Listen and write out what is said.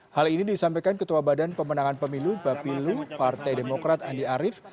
hal ini disampaikan ketua badan pemenangan pemilu bapilu partai demokrat andi arief